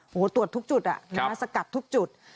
โอ้โหตรวจทุกจุดสกัดทุกจุด